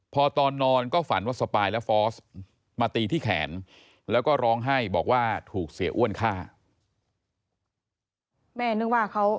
พอตอนนอนก็ฝันว่าสปายและฟอสมาตีที่แขนแล้วก็ร้องไห้บอกว่าถูกเสียอ้วนฆ่าแม่นึกว่าเขา